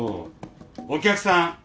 お客さん